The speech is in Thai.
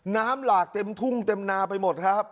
หลากเต็มทุ่งเต็มนาไปหมดครับ